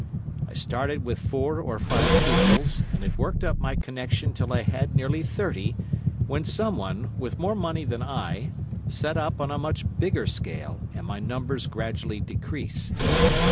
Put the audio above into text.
I started with four or five pupils, and had worked up my connection till I had nearly thirty, when someone, with more money than I, set up on a much bigger scale, and my numbers gradually decreased.